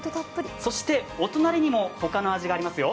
お隣にも他の味がありますよ。